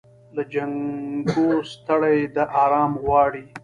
له جنګو ستړې ده آرام غواړي